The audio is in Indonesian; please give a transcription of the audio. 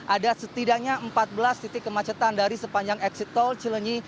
ada setidaknya empat belas titik kemacetan dari sepanjang eksit tol cilenyi